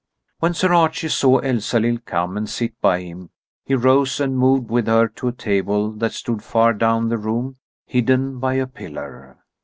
When Sir Archie saw Elsalill come and sit by him, he rose and moved with her to a table that stood far down the room, hidden by a pillar.